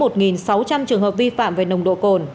một sáu trăm linh trường hợp vi phạm về nồng độ cồn